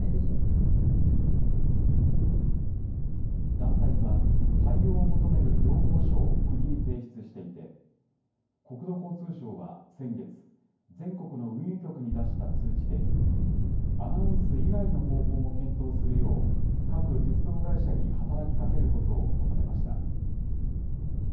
団体は、対応を求める要望書を国に提出していて、国土交通省は先月、全国の運輸局に出した通知で、アナウンス以外の方法も検討するよう、各鉄道会社に働きかけることを求めました。